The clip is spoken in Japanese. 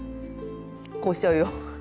こうしちゃうよ。